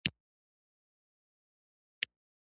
خړ خړ موټرونه پوځیان انتقالول.